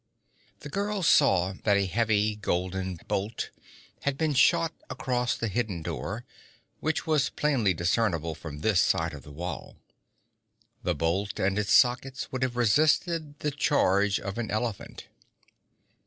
The girl saw that a heavy golden bolt had been shot across the hidden door, which was plainly discernible from this side of the wall. The bolt and its sockets would have resisted the charge of an elephant.